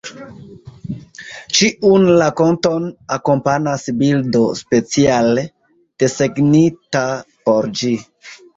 Ĉiun rakonton akompanas bildo speciale desegnita por ĝi.